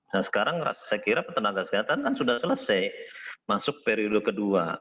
nah sekarang saya kira tenaga kesehatan kan sudah selesai masuk periode kedua